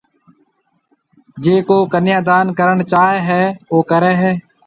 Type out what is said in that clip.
جيَ ڪو ڪنيا دان ڪرڻ چاھيََََ ھيََََ او ڪرَي ھيََََ